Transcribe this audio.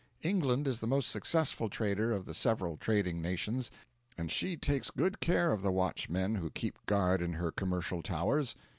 England is the most successful trader of the several trading nations; and she takes good care of the watchmen who keep guard in her commercial towers.